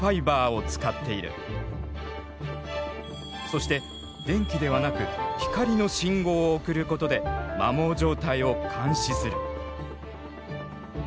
そして「電気」ではなく「光の信号」を送ることで摩耗状態を監視する。